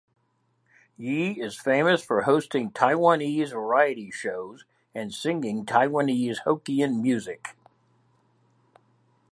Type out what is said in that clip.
Yi is famous for hosting Taiwanese variety shows and singing Taiwanese Hokkien music.